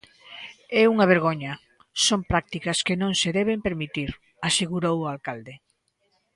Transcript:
"É unha vergoña; son prácticas que non se deben permitir", asegurou o alcalde.